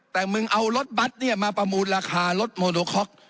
แต่มึงเอารถบัตรมาประมูลราคารถโมโนคอก